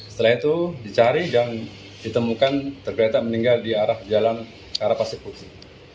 setelah itu dicari dan ditemukan tergeletak meninggal di arah jalan ke arah pasir putih